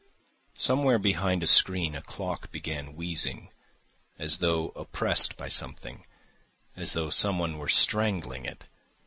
Somewhere behind a screen a clock began wheezing, as though oppressed by something, as though someone were strangling it.